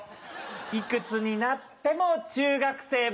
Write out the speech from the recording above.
いくつになっても中学生。